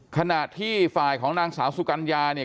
ขณะที่ฝ่ายของนางสาวสุกัญญาเนี่ย